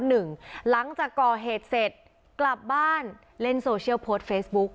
หลังจากก่อเหตุเสร็จกลับบ้านเล่นโซเชียลโพสต์เฟซบุ๊ก